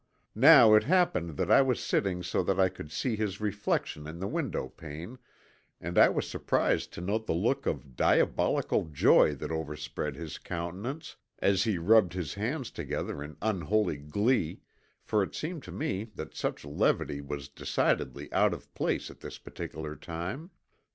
Now it happened that I was sitting so that I could see his reflection in the window pane, and I was surprised to note the look of diabolical joy that overspread his countenance as he rubbed his hands together in unholy glee, for it seemed to me that such levity was decidedly out of place at this particular time.